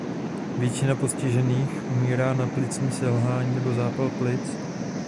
Většina postižených umírá na plicní selhání nebo zápal plic.